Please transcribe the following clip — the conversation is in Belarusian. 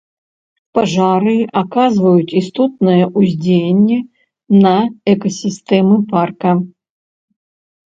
Пажары аказваюць істотнае ўздзеянне на экасістэмы парка.